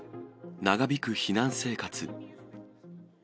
長引く避難生活。